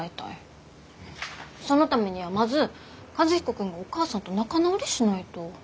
そのためにはまず和彦君がお母さんと仲直りしないと。